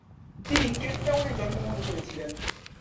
তিনি কেপ টাউনে জন্মগ্রহণ করেছিলেন।